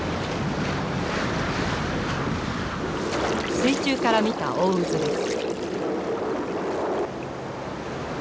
水中から見た大渦です。